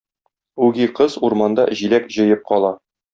Үги кыз урманда җиләк җыеп кала.